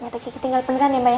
daki tinggal pendekan ya mbak ya